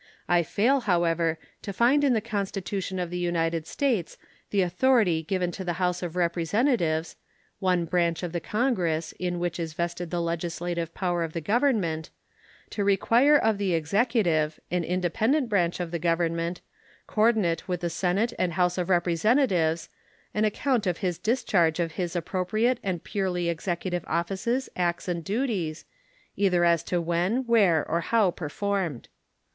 I fail, however, to find in the Constitution of the United States the authority given to the House of Representatives (one branch of the Congress, in which is vested the legislative power of the Government) to require of the Executive, an independent branch of the Government, coordinate with the Senate and House of Representatives, an account of his discharge of his appropriate and purely executive offices, acts, and duties, either as to when, where, or how performed.